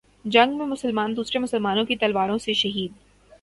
جنگ میں مسلمان دوسرے مسلمانوں کی تلواروں سے شہید